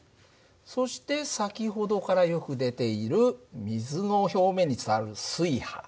そして先ほどからよく出ている水の表面に伝わる水波。